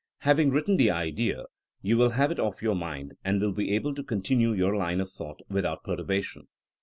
Having written the idea, you will have it off your mind, and will be able to continue your line of thought without perturbation.